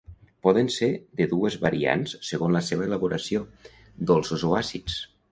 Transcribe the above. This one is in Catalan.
Poden ser de dues variants segons la seva elaboració: dolços o àcids.